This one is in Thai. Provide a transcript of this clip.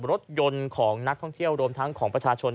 รถยนต์ของนักท่องเที่ยวรวมทั้งของประชาชน